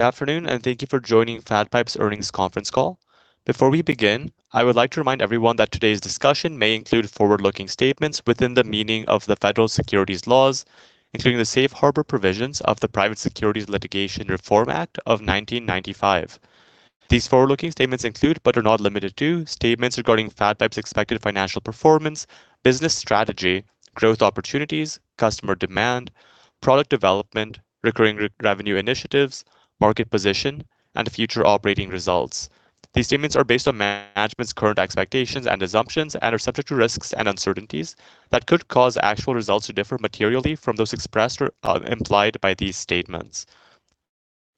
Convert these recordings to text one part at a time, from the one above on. Good afternoon, thank you for joining FatPipe's earnings conference call. Before we begin, I would like to remind everyone that today's discussion may include forward-looking statements within the meaning of the federal securities laws, including the safe harbor provisions of the Private Securities Litigation Reform Act of 1995. These forward-looking statements include, but are not limited to, statements regarding FatPipe's expected financial performance, business strategy, growth opportunities, customer demand, product development, recurring revenue initiatives, market position, and future operating results. These statements are based on management's current expectations and assumptions and are subject to risks and uncertainties that could cause actual results to differ materially from those expressed or implied by these statements.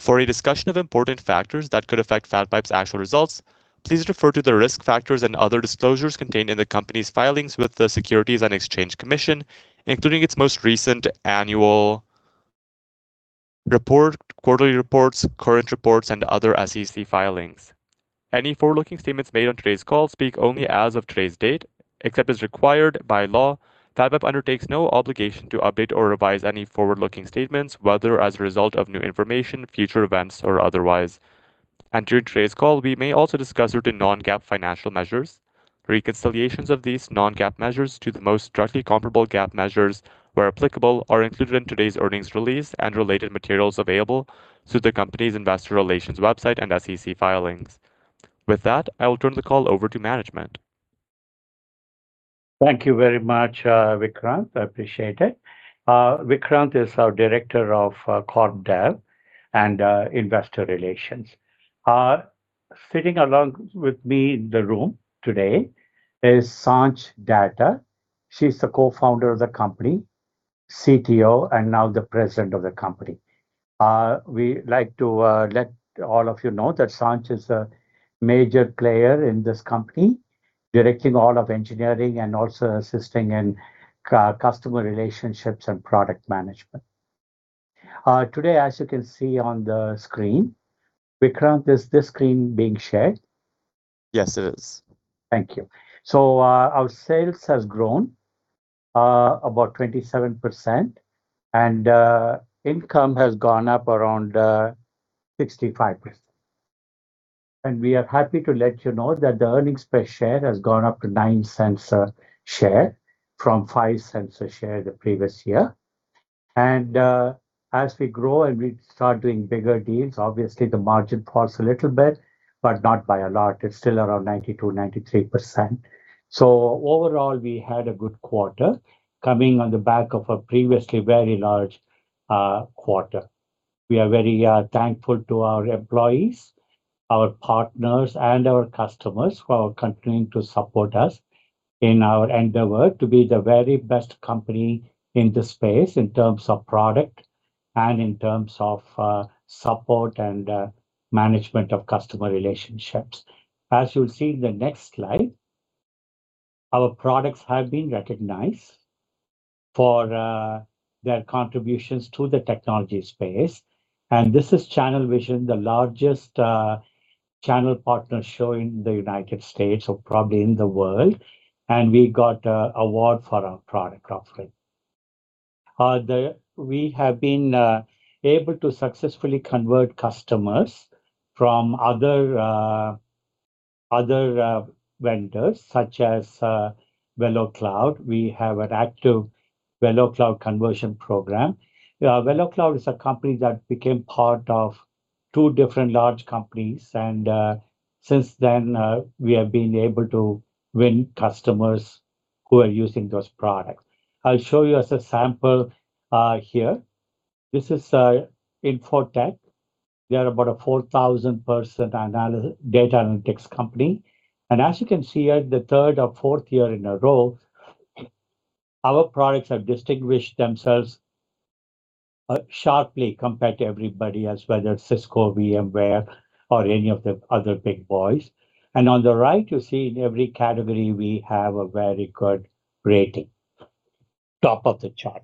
For a discussion of important factors that could affect FatPipe's actual results, please refer to the risk factors and other disclosures contained in the company's filings with the Securities and Exchange Commission, including its most recent annual report, quarterly reports, current reports, and other SEC filings. Any forward-looking statements made on today's call speak only as of today's date. Except as required by law, FatPipe undertakes no obligation to update or revise any forward-looking statements, whether as a result of new information, future events, or otherwise. During today's call, we may also discuss certain Non-GAAP financial measures. Reconciliations of these Non-GAAP measures to the most directly comparable GAAP measures, where applicable, are included in today's earnings release and related materials available through the company's investor relations website and SEC filings. With that, I will turn the call over to management. Thank you very much, Vikrant. I appreciate it. Vikrant is our Director of Corp Dev and Investor Relations. Sitting along with me in the room today is Sanchaita Datta. She's the Co-Founder of the company, Chief Technology Officer, and now the President of the company. We like to let all of you know that Sanj is a major player in this company, directing all of engineering and also assisting in customer relationships and product management. Today, as you can see on the screen Vikrant, is this screen being shared? Yes, it is. Thank you. Our sales has grown about 27%, income has gone up around 65%. We are happy to let you know that the earnings per share has gone up to $0.09 a share from $0.05 a share the previous year. As we grow and we start doing bigger deals, obviously the margin falls a little bit, but not by a lot. It is still around 92%-93%. Overall, we had a good quarter coming on the back of a previously very large quarter. We are very thankful to our employees, our partners, and our customers who are continuing to support us in our endeavor to be the very best company in this space in terms of product and in terms of support and management of customer relationships. As you will see in the next slide, our products have been recognized for their contributions to the technology space. This is ChannelVision, the largest channel partner show in the United States, or probably in the world, and we got an award for our product offering. We have been able to successfully convert customers from other vendors, such as VeloCloud. We have an active VeloCloud conversion program. VeloCloud is a company that became part of two different large companies, and since then we have been able to win customers who are using those products. I will show you as a sample here. This is InfoTech. They are about a 4,000-person data analytics company. As you can see here, the third year or fourth year in a row, our products have distinguished themselves sharply compared to everybody else, whether it is Cisco, VMware, or any of the other big boys. On the right, you see in every category, we have a very good rating. Top of the chart.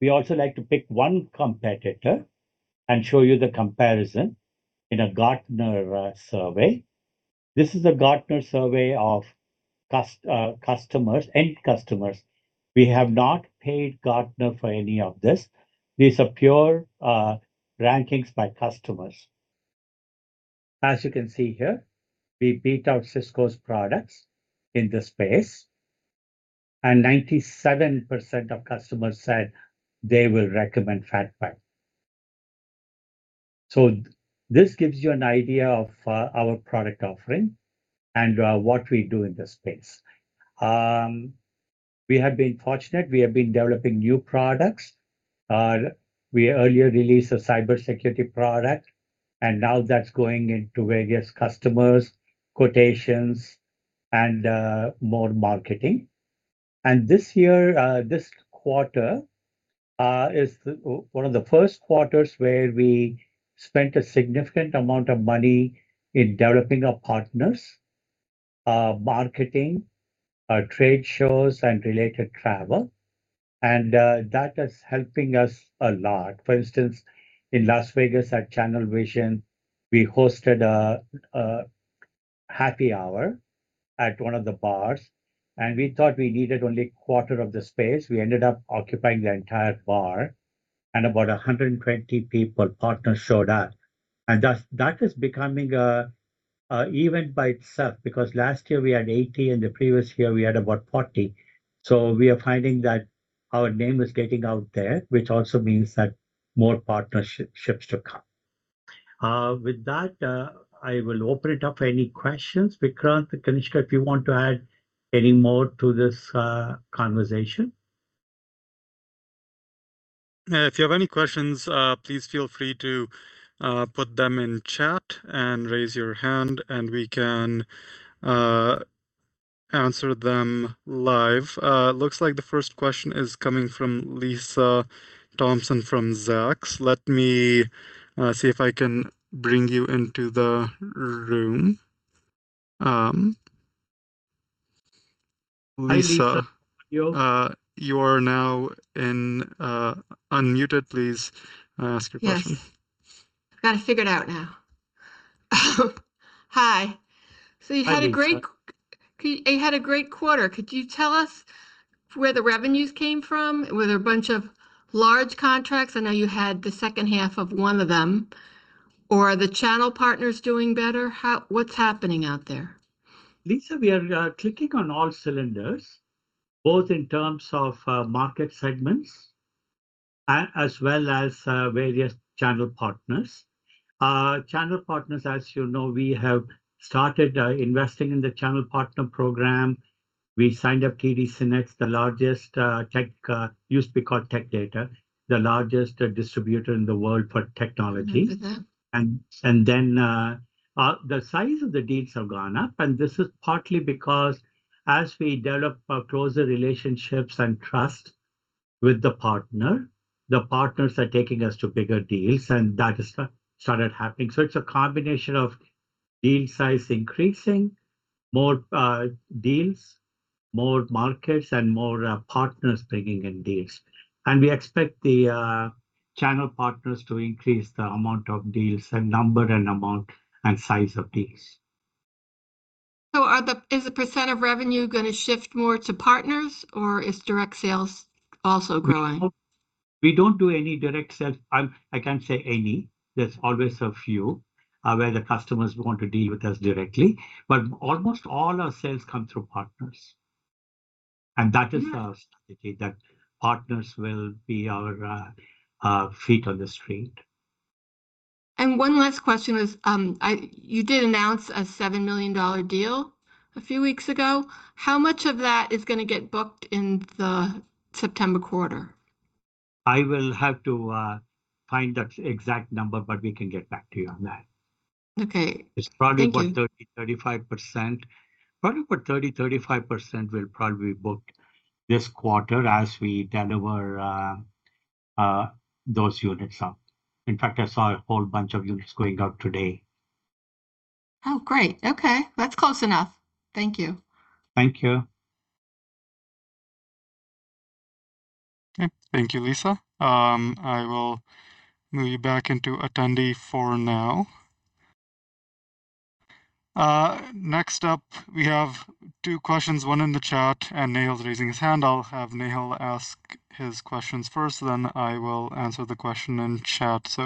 We also like to pick one competitor and show you the comparison in a Gartner survey. This is a Gartner survey of end customers. We have not paid Gartner for any of this. These are pure rankings by customers. As you can see here, we beat out Cisco's products in this space, and 97% of customers said they will recommend FatPipe. This gives you an idea of our product offering and what we do in this space. We have been fortunate. We have been developing new products. We earlier released a cybersecurity product, and now that is going into various customers, quotations, and more marketing. This year, this quarter is one of the first quarters where we spent a significant amount of money in developing our partners, marketing, our trade shows, and related travel. That is helping us a lot. For instance, in Las Vegas at ChannelVision, we hosted a Happy hour at one of the bars. We thought we needed only quarter of the space. We ended up occupying the entire bar, and about 120 people, partners showed up. That is becoming an event by itself, because last year we had 80 people, the previous year we had about 40 people. We are finding that our name is getting out there, which also means that more partnerships to come. With that, I will open it up for any questions. Vikrant, if you want to add any more to this conversation. If you have any questions, please feel free to put them in chat and raise your hand, and we can answer them live. Looks like the first question is coming from Lisa Thompson from Zacks. Let me see if I can bring you into the room. Hi, Lisa. Lisa, you are now unmuted. Please ask your question. Yes. Got it figured out now. Hi. Hi, Lisa. You had a great quarter. Could you tell us where the revenues came from? Were there a bunch of large contracts? I know you had the second half of one of them. Are the channel partners doing better? What's happening out there? Lisa, we are clicking on all cylinders, both in terms of market segments as well as various channel partners. Channel partners, as you know, we have started investing in the channel partner program. We signed up TD Synnex, used to be called Tech Data, the largest distributor in the world for technology. The size of the deals have gone up, and this is partly because as we develop closer relationships and trust with the partner, the partners are taking us to bigger deals, and that started happening. It's a combination of deal size increasing, more deals, more markets, and more partners bringing in deals. We expect the channel partners to increase the amount of deals, and number, and amount, and size of deals. Is the percent of revenue going to shift more to partners, or is direct sales also growing? We don't do any direct sales. I can't say any. There's always a few, where the customers want to deal with us directly. Almost all our sales come through partners, and that is our strategy, that partners will be our feet on the street. One last question was, you did announce a $7 million deal a few weeks ago. How much of that is going to get booked in the September quarter? I will have to find that exact number, but we can get back to you on that. Okay. Thank you. It's probably about 30%, 35%. Probably about 30%, 35% will probably be booked this quarter as we deliver those units out. In fact, I saw a whole bunch of units going out today. Oh, great. Okay. That's close enough. Thank you. Thank you. Okay. Thank you, Lisa. I will move you back into attendee for now. Next up, we have two questions, one in the chat, and Nehal's raising his hand. I will have Nehal ask his questions first, then I will answer the question in chat.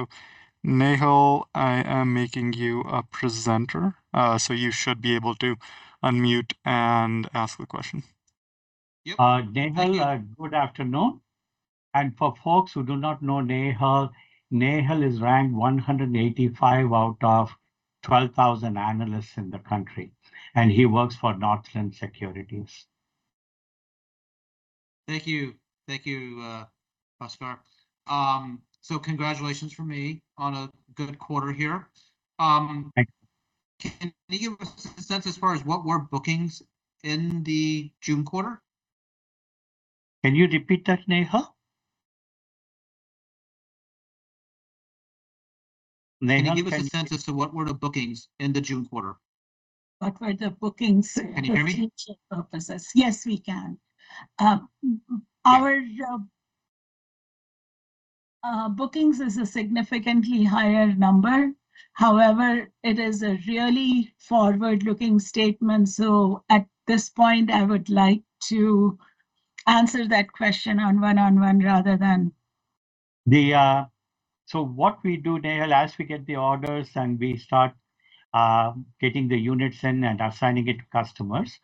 Nehal, I am making you a presenter, so you should be able to unmute and ask the question.. Good afternoon. For folks who do not know Nehal is ranked 185 out of 12,000 analysts in the country, and he works for Northland Securities. Thank you. Thank you, Bhaskar. Congratulations from me on a good quarter here. Thank you. Can you give us a sense as far as what were bookings in the June quarter? Can you repeat that, Nehal? Can you give us a sense as to what were the bookings in the June quarter? What were the bookings. Can you hear me? for future purposes? Yes, we can. Yeah. Bookings is a significantly higher number. However, it is a really forward-looking statement, so at this point, I would like to answer that question on one-on-one rather than. What we do, Nehal, as we get the orders, and we start getting the units in and assigning it to customers,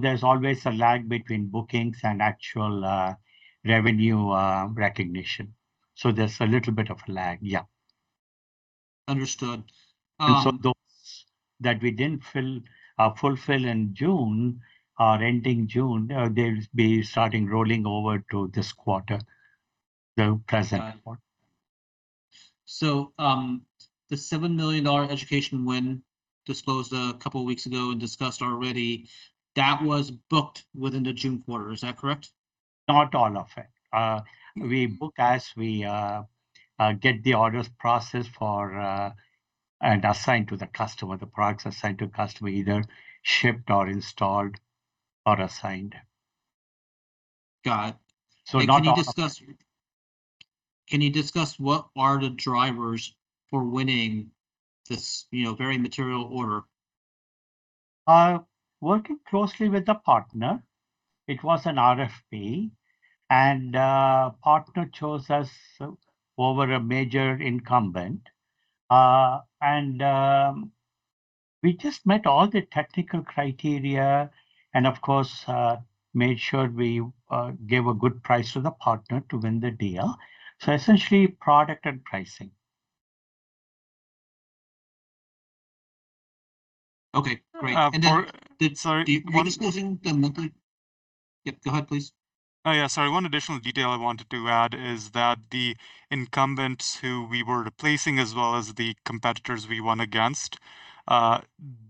there's always a lag between bookings and actual revenue recognition. There's a little bit of lag. Yeah. Understood. Those that we didn't fulfill in June or ending June, they'll be starting rolling over to this quarter, the present quarter. Got it. The $7 million education win disclosed a couple of weeks ago and discussed already, that was booked within the June quarter. Is that correct? Not all of it. We book as we get the orders processed and assigned to the customer, the products assigned to customer, either shipped or installed or assigned. Got it. Not all- Can you discuss what are the drivers for winning this very material order? Working closely with the partner. It was an RFP. Partner chose us over a major incumbent. We just met all the technical criteria and of course, made sure we gave a good price to the partner to win the deal. Essentially, product and pricing. Okay, great. Sorry. Were you disclosing the monthly Yep, go ahead, please. Oh, yeah, sorry. One additional detail I wanted to add is that the incumbents who we were replacing, as well as the competitors we won against,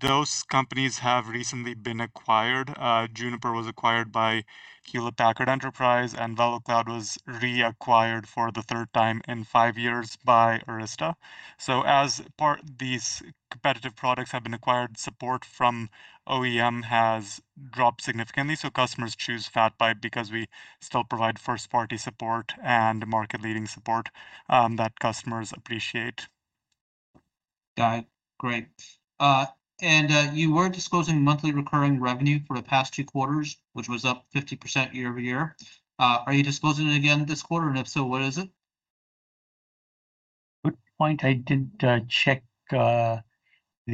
those companies have recently been acquired. Juniper was acquired by Hewlett Packard Enterprise, and VeloCloud was reacquired for the third time in five years by Arista. As these competitive products have been acquired, support from OEM has dropped significantly. Customers choose FatPipe because we still provide first-party support and market-leading support that customers appreciate. Got it. Great. You were disclosing monthly recurring revenue for the past two quarters, which was up 50% year-over-year. Are you disclosing it again this quarter? If so, what is it? Good point. I didn't check the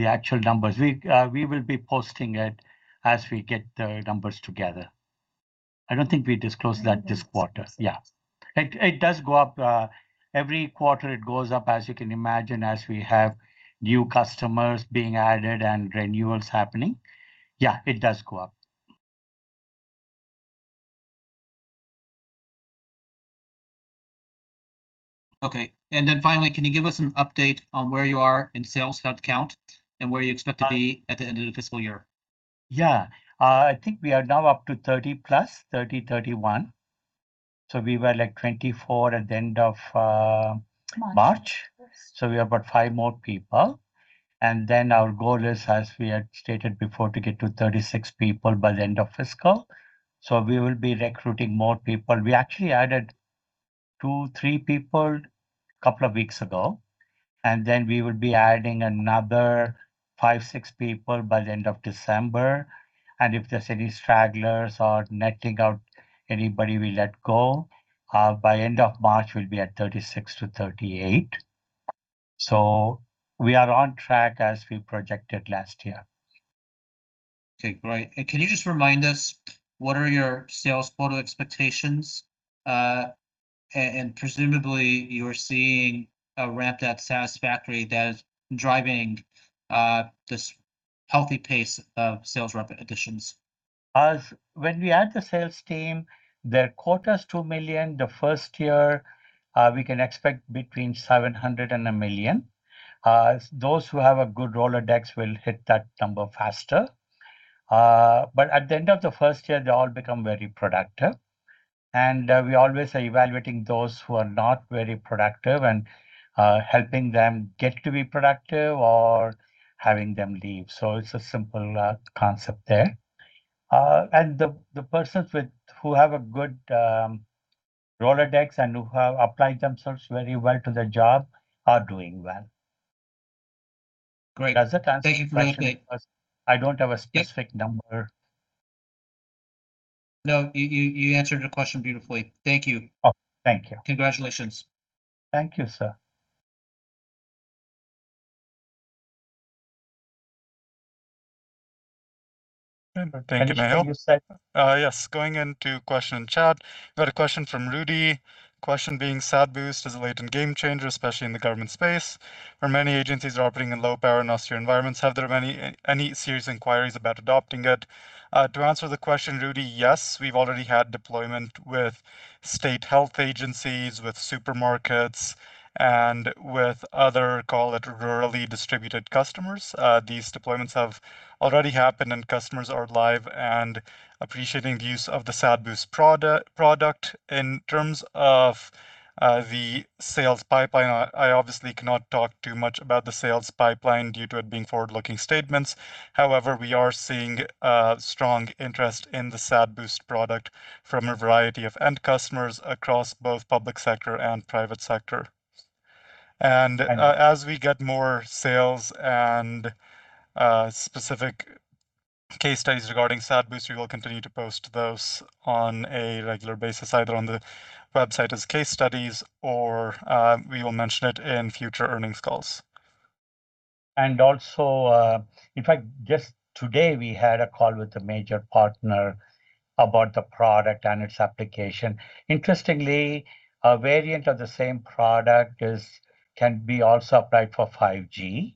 actual numbers. We will be posting it as we get the numbers together. I don't think we disclosed that this quarter. Yeah. It does go up. Every quarter it goes up, as you can imagine, as we have new customers being added and renewals happening. Yeah, it does go up. Okay. Finally, can you give us an update on where you are in sales headcount and where you expect to be at the end of the fiscal year? Yeah. I think we are now up to 30+ people, 30 people, 31 people. We were 24 people at the end of March. We have about five more people. Our goal is, as we had stated before, to get to 36 people by the end of fiscal. We will be recruiting more people. We actually added two, three people a couple of weeks ago, we will be adding another five, six people by the end of December. If there's any stragglers or netting out anybody we let go, by end of March, we'll be at 36 people-38 people. We are on track as we projected last year. Okay, great. Can you just remind us what are your sales quota expectations? Presumably, you're seeing a ramp-up satisfactory that is driving this healthy pace of sales ramp additions. When we add the sales team, their quota's $2 million the first year. We can expect between $700,000-$1 million. Those who have a good Rolodex will hit that number faster. At the end of the first year, they all become very productive. We always are evaluating those who are not very productive and helping them get to be productive or having them leave. It's a simple concept there. The persons who have a good Rolodex and who have applied themselves very well to their job are doing well. Thank you for the update. I don't have a specific number. No, you answered the question beautifully. Thank you. Oh, thank you. Congratulations. Thank you, sir. Thank you, Nehal. Yes. Going into question in chat. Got a question from Rudy. Question being, "SATBOOST is a latent game changer, especially in the government space, where many agencies are operating in low power and austere environments. Have there been any serious inquiries about adopting it?" To answer the question, Rudy, yes. We've already had deployment with state health agencies, with supermarkets, and with other, call it, rurally distributed customers. These deployments have already happened and customers are live and appreciating the use of the SATBOOST product. In terms of the sales pipeline, I obviously cannot talk too much about the sales pipeline due to it being forward-looking statements. However, we are seeing strong interest in the SATBOOST product from a variety of end customers across both public sector and private sector. As we get more sales and specific case studies regarding SATBOOST, we will continue to post those on a regular basis, either on the website as case studies or we will mention it in future earnings calls. Also, in fact, just today, we had a call with a major partner about the product and its application. Interestingly, a variant of the same product can be also applied for 5G.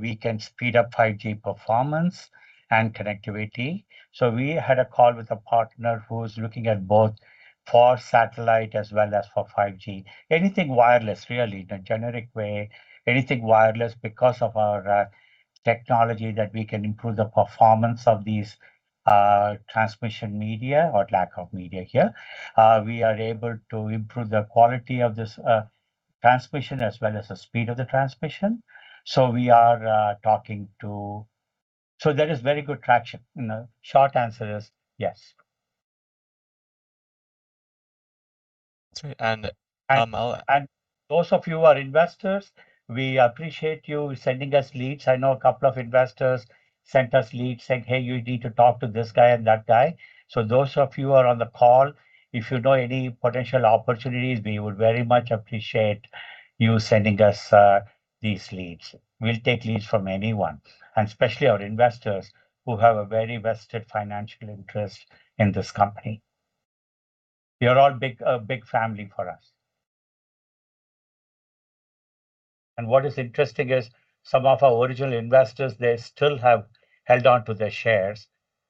We can speed up 5G performance and connectivity. We had a call with a partner who's looking at both for satellite as well as for 5G. Anything wireless, really, in a generic way. Anything wireless because of our technology that we can improve the performance of these transmission media or lack of media here. We are able to improve the quality of this transmission as well as the speed of the transmission. There is very good traction. Short answer is yes. Those of you who are investors, we appreciate you sending us leads. I know a couple of investors sent us leads saying, "Hey, you need to talk to this guy and that guy." Those of you who are on the call, if you know any potential opportunities, we would very much appreciate you sending us these leads. We'll take leads from anyone, and especially our investors who have a very vested financial interest in this company. You're all a big family for us. What is interesting is some of our original investors, they still have held on to their shares,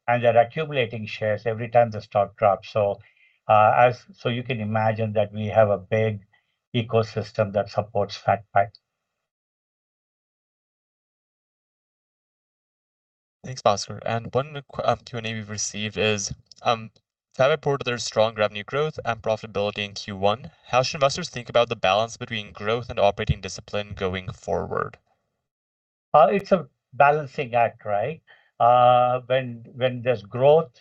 and they're accumulating shares every time the stock drops. You can imagine that we have a big ecosystem that supports FatPipe. Thanks, Bhaskar. One question-and-answer we've received is, FatPipe reported their strong revenue growth and profitability in Q1. How should investors think about the balance between growth and operating discipline going forward? It's a balancing act, right? When there's growth,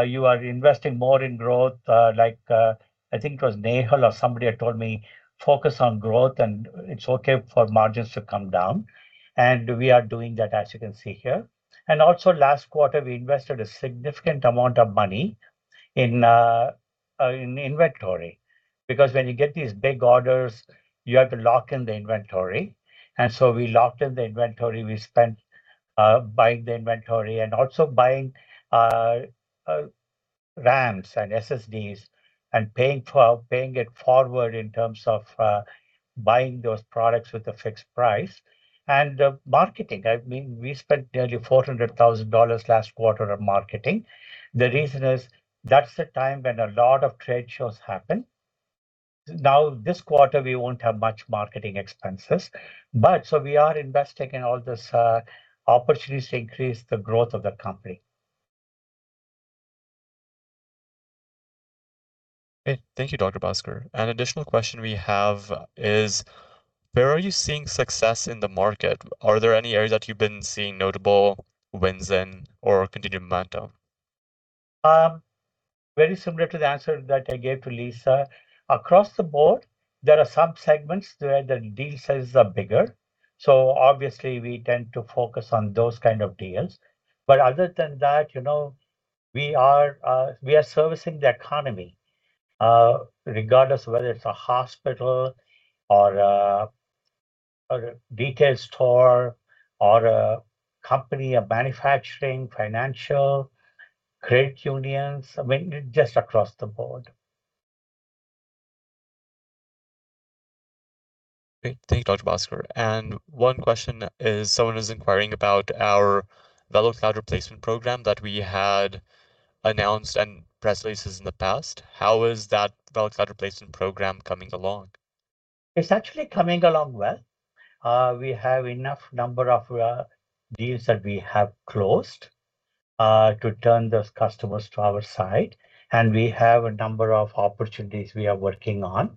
you are investing more in growth. I think it was Nehal or somebody had told me, focus on growth and it's okay for margins to come down. We are doing that, as you can see here. Also last quarter, we invested a significant amount of money in inventory, because when you get these big orders, you have to lock in the inventory. We locked in the inventory. We spent buying the inventory and also buying RAMs and SSDs and paying it forward in terms of buying those products with a fixed price. Marketing, we spent nearly $400,000 last quarter on marketing. The reason is that's the time when a lot of trade shows happen. Now, this quarter, we won't have much marketing expenses, we are investing in all these opportunities to increase the growth of the company. Great. Thank you, Dr. Bhaskar. An additional question we have is, where are you seeing success in the market? Are there any areas that you've been seeing notable wins in or continued momentum? Very similar to the answer that I gave to Lisa. Across the board, there are some segments where the deal sizes are bigger, obviously we tend to focus on those kind of deals. Other than that, we are servicing the economy, regardless of whether it's a hospital or a retail store or a company, a manufacturing, financial, credit unions, just across the board. Great. Thank you, Dr. Bhaskar. One question is someone is inquiring about our VeloCloud replacement program that we had announced in press releases in the past. How is that VeloCloud replacement program coming along? It's actually coming along well. We have enough number of deals that we have closed to turn those customers to our side, we have a number of opportunities we are working on.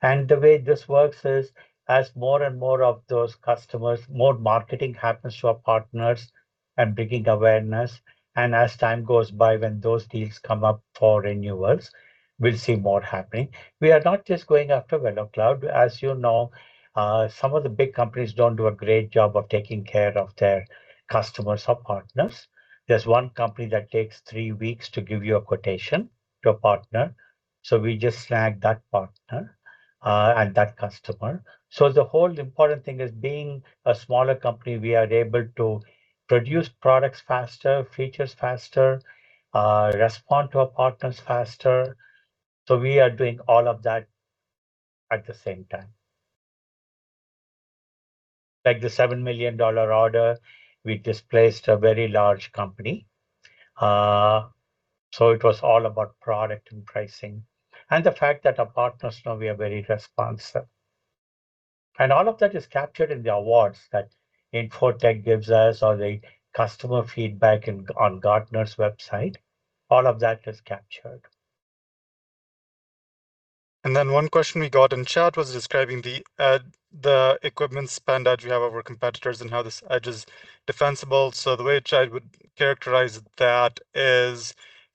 The way this works is as more and more of those customers, more marketing happens to our partners and bringing awareness. As time goes by, when those deals come up for renewals, we'll see more happening. We are not just going after VeloCloud. As you know, some of the big companies don't do a great job of taking care of their customers or partners. There's one company that takes three weeks to give you a quotation to a partner. We just snag that partner and that customer. The whole important thing is being a smaller company, we are able to produce products faster, features faster, respond to our partners faster. We are doing all of that at the same time. Like the $7 million order, we displaced a very large company. It was all about product and pricing and the fact that our partners know we are very responsive. All of that is captured in the awards that InfoTech gives us or the customer feedback on Gartner's website. All of that is captured. One question we got in chat was describing the equipment spend that we have over competitors and how this edge is defensible. The way a child would characterize that is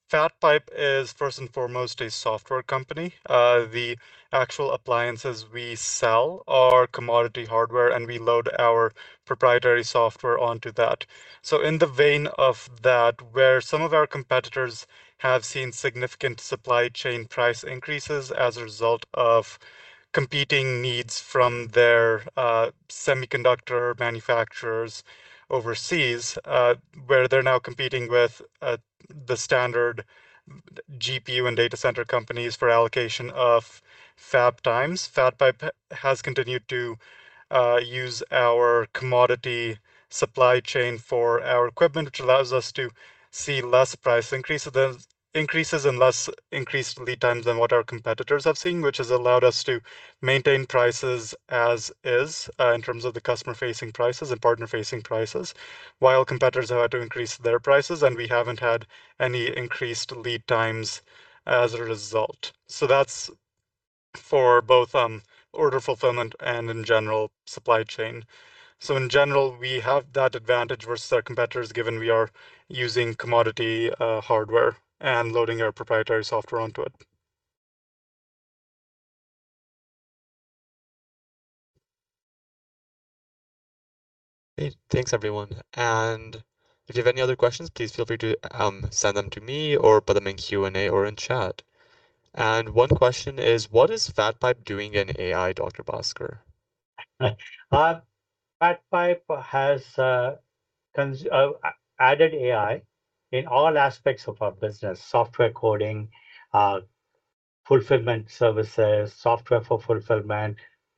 FatPipe is first and foremost a software company. The actual appliances we sell are commodity hardware, and we load our proprietary software onto that. In the vein of that, where some of our competitors have seen significant supply chain price increases as a result of competing needs from their semiconductor manufacturers overseas, where they're now competing with the standard GPU and data center companies for allocation of fab times. FatPipe has continued to use our commodity supply chain for our equipment, which allows us to see less price increases and less increased lead times than what our competitors have seen, which has allowed us to maintain prices as is, in terms of the customer-facing prices and partner-facing prices, while competitors have had to increase their prices, and we haven't had any increased lead times as a result. That's for both order fulfillment and in general, supply chain. In general, we have that advantage versus our competitors, given we are using commodity hardware and loading our proprietary software onto it. Hey, thanks, everyone. If you have any other questions, please feel free to send them to me or put them in Q&A or in chat. One question is: what is FatPipe doing in AI, Dr. Bhaskar? FatPipe has added AI in all aspects of our business, software coding, fulfillment services, software for fulfillment,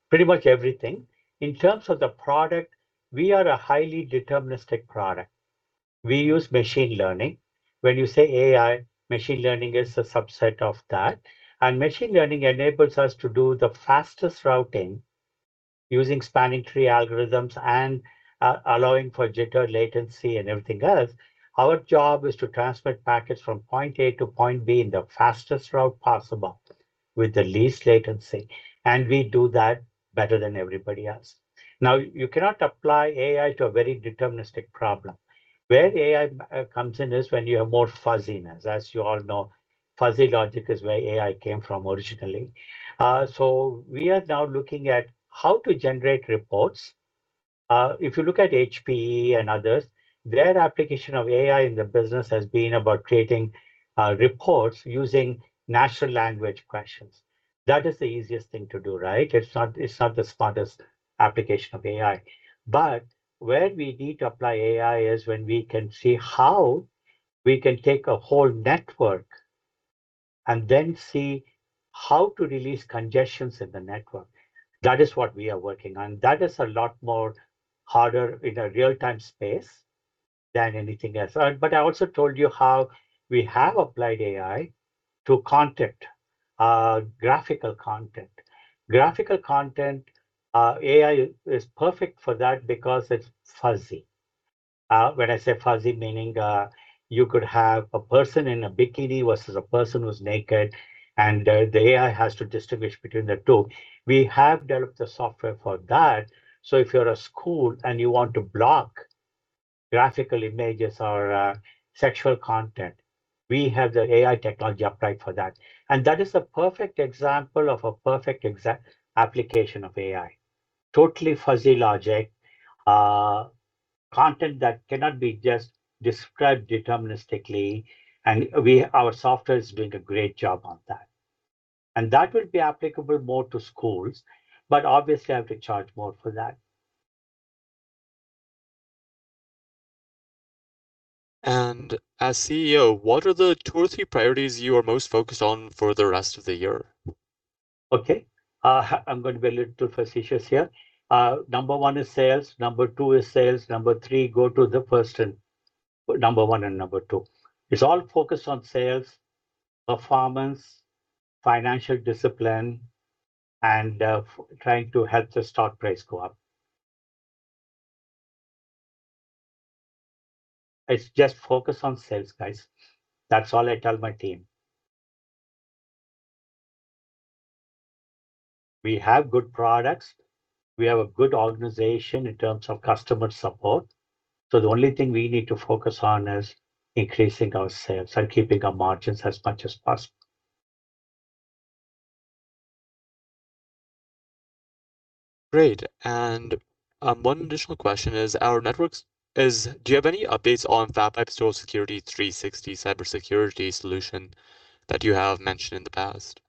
pretty much everything. In terms of the product, we are a highly deterministic product. We use machine learning. When you say AI, machine learning is a subset of that. Machine learning enables us to do the fastest routing using spanning tree algorithms and allowing for jitter latency and everything else. Our job is to transmit packets from point A to point B in the fastest route possible with the least latency, and we do that better than everybody else. Now, you cannot apply AI to a very deterministic problem. Where AI comes in is when you have more fuzziness. As you all know, fuzzy logic is where AI came from originally. We are now looking at how to generate reports. If you look at HPE and others, their application of AI in the business has been about creating reports using natural language questions. That is the easiest thing to do, right? It's not the smartest application of AI. Where we need to apply AI is when we can see how we can take a whole network and then see how to release congestions in the network. That is what we are working on. That is a lot more harder in a real-time space than anything else. I also told you how we have applied AI to content, graphical content. Graphical content, AI is perfect for that because it's fuzzy. When I say fuzzy, meaning you could have a person in a bikini versus a person who's naked, and the AI has to distinguish between the two. We have developed the software for that. If you're a school and you want to block graphical images or sexual content, we have the AI technology applied for that. That is a perfect example of a perfect application of AI. Totally fuzzy logic. Content that cannot be just described deterministically, and our software is doing a great job on that. That will be applicable more to schools, but obviously, I have to charge more for that. As Chief Executive Officer, what are the two or three priorities you are most focused on for the rest of the year? Okay. I'm going to be a little facetious here. Number one is sales. Number two is sales. Number three, go to the person for number one and number two. It's all focused on sales, performance, financial discipline, and trying to help the stock price go up. It's just focused on sales, guys. That's all I tell my team. We have good products. We have a good organization in terms of customer support. The only thing we need to focus on is increasing our sales and keeping our margins as much as possible. Great. One additional question is, do you have any updates on FatPipe's Total Security 360 cybersecurity solution that you have mentioned in the past?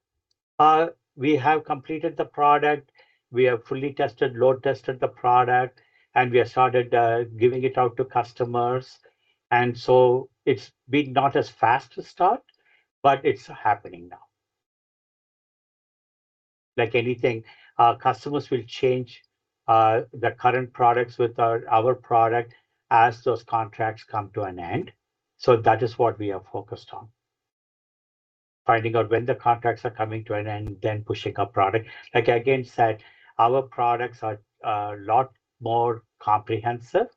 We have completed the product. We have fully tested, load tested the product, and we have started giving it out to customers. It's been not as fast to start, but it's happening now. Like anything, our customers will change their current products with our product as those contracts come to an end. That is what we are focused on, finding out when the contracts are coming to an end, then pushing our product. Like I again said, our products are a lot more comprehensive.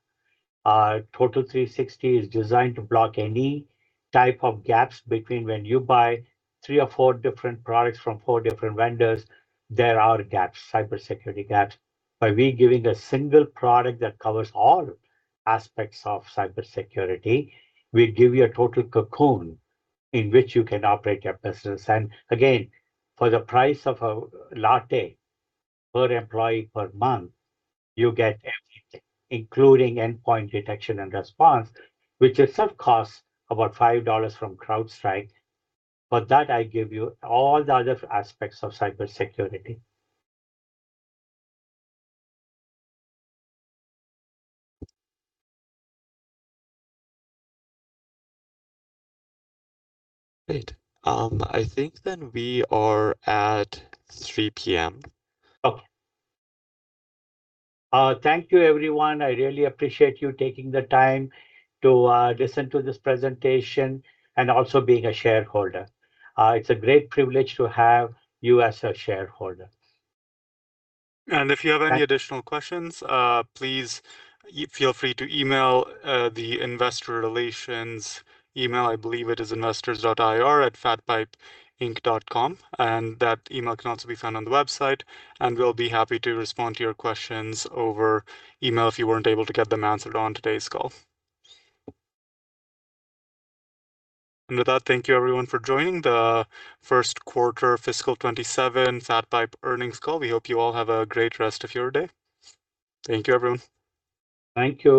Total Security 360 is designed to block any type of gaps. Between when you buy three or four different products from four different vendors, there are gaps, cybersecurity gaps. By we giving a single product that covers all aspects of cybersecurity, we give you a total cocoon in which you can operate your business. For the price of a latte per employee per month, you get everything, including endpoint detection and response, which itself costs about $5 from CrowdStrike. For that, I give you all the other aspects of cybersecurity. Great. I think we are at 3:00 P.M. Okay. Thank you, everyone. I really appreciate you taking the time to listen to this presentation and also being a shareholder. It's a great privilege to have you as a shareholder. If you have any additional questions, please feel free to email the investor relations email. I believe it is investors.ir@fatpipeinc.com, and that email can also be found on the website, and we'll be happy to respond to your questions over email if you weren't able to get them answered on today's call. With that, thank you everyone for joining the first quarter fiscal 2027 FatPipe earnings call. We hope you all have a great rest of your day. Thank you, everyone. Thank you